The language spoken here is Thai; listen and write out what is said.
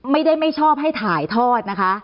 ไม่ได้ไม่ชอบให้ถ่ายทอดนะคะ